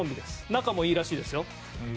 仲もいいらしいですよ。